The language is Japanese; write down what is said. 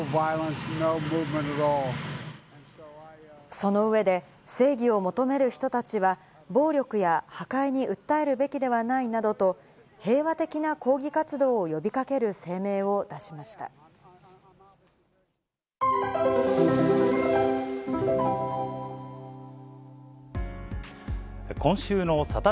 その上で、正義を求める人たちは、暴力や破壊に訴えるべきではないなどと、平和的な抗議活動を呼びかける声明を出しました。